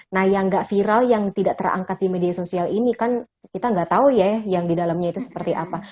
nah yang nggak viral yang tidak terangkat di media sosial ini kan kita nggak tahu ya yang di dalamnya itu seperti apa